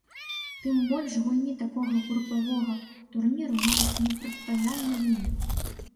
Тым больш гульні такога групавога турніру маюць непрадказальны вынік.